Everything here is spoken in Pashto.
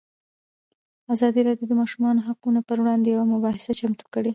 ازادي راډیو د د ماشومانو حقونه پر وړاندې یوه مباحثه چمتو کړې.